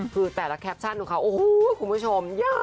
คือแต่ละแคปชั่นของเขาโอ้โหคุณผู้ชม